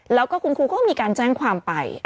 แล้วก็คุณครูก็มีการแจ้งความไป